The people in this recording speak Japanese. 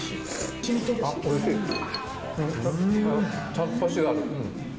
ちゃんとコシがある。